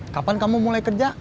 kapan kamu mulai kerja